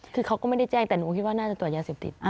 คือเขาก็ไม่ได้แจ้งแต่หนูคิดว่าน่าจะตรวจยาเสพติด